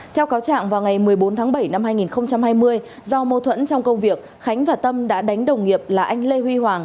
theo cáo trạng vào ngày một mươi bốn tháng bảy năm hai nghìn hai mươi do mâu thuẫn trong công việc khánh và tâm đã đánh đồng nghiệp là anh lê huy hoàng